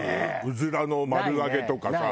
うずらの丸揚げとかさ。